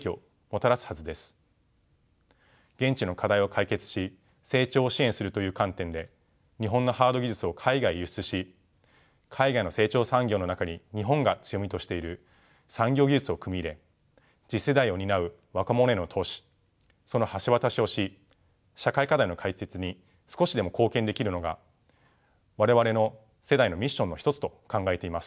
現地の課題を解決し成長を支援するという観点で日本のハード技術を海外へ輸出し海外の成長産業の中に日本が強みとしている産業技術を組み入れ次世代を担う若者への投資その橋渡しをし社会課題の解決に少しでも貢献できるのが我々の世代のミッションの一つと考えています。